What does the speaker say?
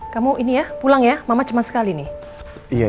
kamu pulang ya mama cemas kali nih